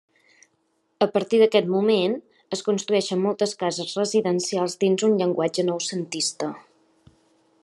A partir d'aquest moment es construeixen moltes cases residencials dins un llenguatge noucentista.